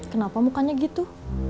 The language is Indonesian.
kenapa mukanya gitu